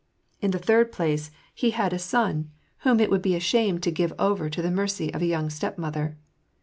In the third place, he had 228 WAR AND PEACE. a son, whom it would be a shame to give over to the mercy of a young stepmother.